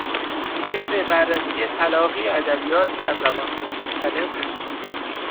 که به بررسی تلاقی ادبیات در زبانهای مختلف